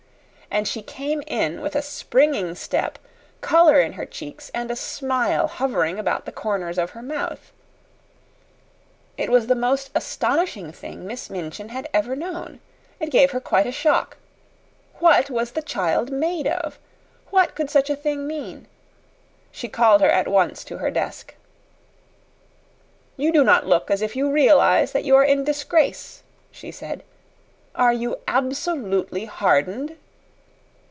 And she came in with a springing step, color in her cheeks, and a smile hovering about the corners of her mouth. It was the most astonishing thing Miss Minchin had ever known. It gave her quite a shock. What was the child made of? What could such a thing mean? She called her at once to her desk. "You do not look as if you realize that you are in disgrace," she said. "Are you absolutely hardened?"